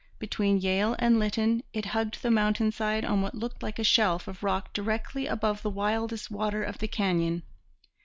Between Yale and Lytton it hugged the mountain side on what looked like a shelf of rock directly above the wildest water of the canyon.